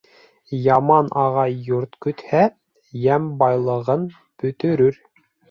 Яман ағай йорт көтһә, йәм-байлығын бөтөрөр